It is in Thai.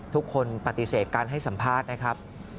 ทุกคนปฏิเสธการให้สัมภาษณ์นะครับ